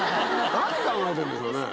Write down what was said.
何考えてんでしょうね。